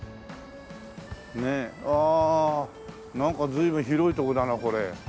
ああなんか随分広いとこだなこれ。